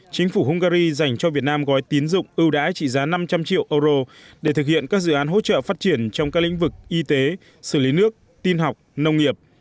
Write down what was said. chính phủ hungary dành cho việt nam gói tín dụng ưu đãi trị giá năm trăm linh triệu euro để thực hiện các dự án hỗ trợ phát triển trong các lĩnh vực y tế xử lý nước tin học nông nghiệp